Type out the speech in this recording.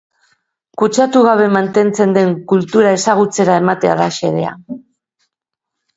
Kutsatu gabe mantentzen den kultura ezagutzera ematea da xedea.